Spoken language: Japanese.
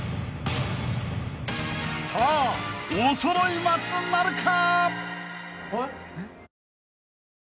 ［さあおそろい松なるか？］